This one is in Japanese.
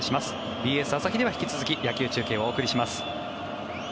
ＢＳ朝日では引き続き野球中継をお送りします。